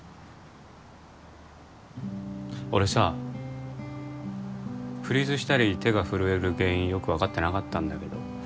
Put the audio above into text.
俺さフリーズしたり手が震える原因よく分かってなかったんだけど